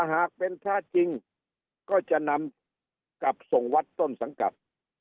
หากเป็นพระจริงก็จะนำกลับส่งวัดต้นสังกัด